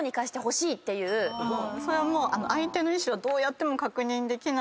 それはもう。